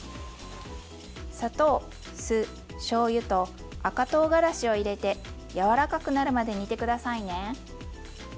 砂糖酢しょうゆと赤とうがらしを入れて柔らかくなるまで煮て下さいね。